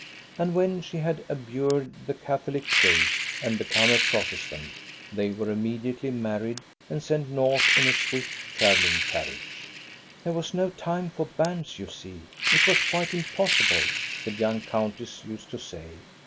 And when she had abjured the Catholic faith and become a Protestant, they were immediately married and sent north in a swift travel ling carriage. " There was no time for banns, you see. It was quite impossible," the young countess used to say.